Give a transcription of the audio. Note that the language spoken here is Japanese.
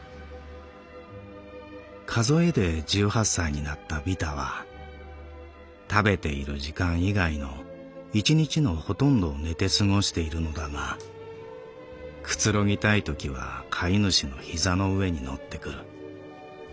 「数えで十八歳になったビタは食べている時間以外の一日のほとんどを寝てすごしているのだがくつろぎたいときは飼い主の膝の上に乗ってくる。